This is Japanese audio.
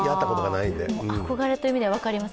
憧れという意味では分かります。